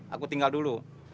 aku tinggal dulu